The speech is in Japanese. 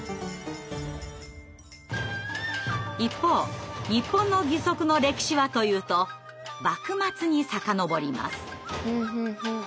一方日本の義足の歴史はというと幕末に遡ります。